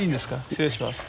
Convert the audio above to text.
失礼します。